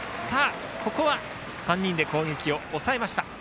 ここは３人で攻撃を抑えました。